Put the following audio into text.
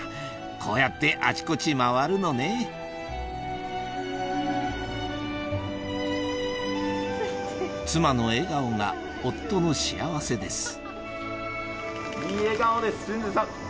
こうやってあちこち回るのね妻の笑顔が夫の幸せです